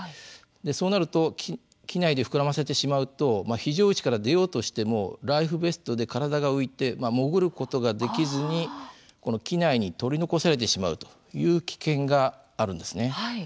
そうなると機内で膨らませてしまうと非常口から出ようとしてもライフベストで体が浮いて潜ることができずに機内にとり残されてしまうという危険があるんですね。